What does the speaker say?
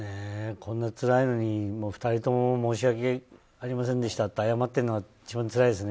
こんなつらいのに、２人とも申し訳ありませんでしたって謝ってるのが一番つらいですね。